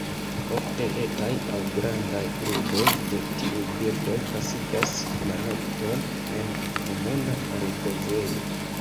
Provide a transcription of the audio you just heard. Ofte etaj aŭ grandaj grupoj de tiuj birdoj pasigas la nokton en komuna ripozejo.